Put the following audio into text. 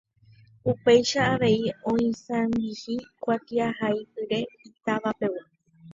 Upéicha avei oisãmbyhy kuatiahaipyre itavapegua.